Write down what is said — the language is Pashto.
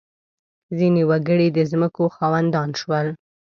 • ځینې وګړي د ځمکو خاوندان شول.